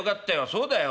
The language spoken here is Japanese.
そうだよ